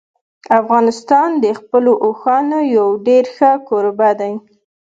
افغانستان د خپلو اوښانو یو ډېر ښه کوربه دی.